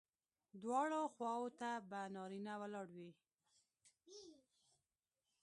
دواړو خواوو ته به نارینه ولاړ وي.